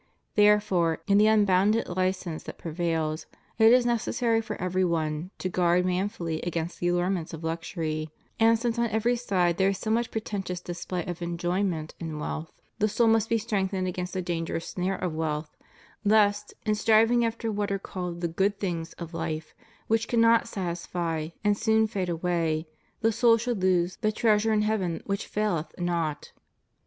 Therefore, in the unbounded license that prevails, it is necessary for every one to guard manfully against the allurements of luxury; and since on erery side there is go much pretentious display of enjoyment in wealth, 172 THE RIGHT ORDERING OF CHRISTIAN LIFE. the soul must be strengthened against the dangerous snare of wealth, lest, in striving after what are called the good things of life, which cannot satisfy and soon fade away, the soul should lose the treasure in heaven which faileth not.